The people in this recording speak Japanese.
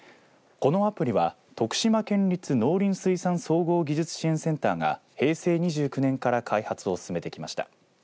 このアプリは徳島県立農林水産総合技術支援センターが平成２９年から開発を進めてきました。